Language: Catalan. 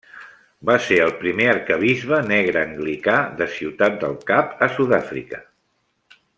Va ser el primer arquebisbe negre anglicà de Ciutat del Cap a Sud-àfrica.